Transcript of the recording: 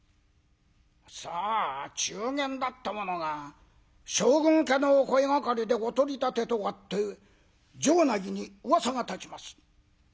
さあ中間だった者が将軍家のお声がかりでお取り立てとあって城内にうわさが立ちます。